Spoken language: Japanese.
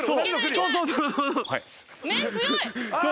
そうそうそうそう。